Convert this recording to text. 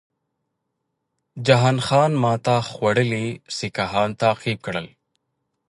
جهان خان ماته خوړلي سیکهان تعقیب کړل.